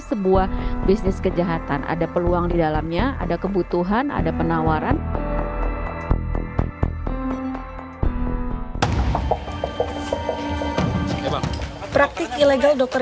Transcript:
sebuah bisnis kejahatan ada peluang di dalamnya ada kebutuhan ada penawaran praktik ilegal dokter